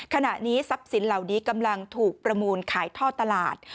ขณะนี้ทรัพย์สินเหล่านี้กำลังถูกประมูลขายท่อตลาด